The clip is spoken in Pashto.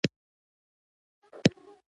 نیت د زړه پټه ژبه ده.